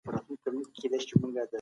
زکات د بې وزلو ژوند بدلوي.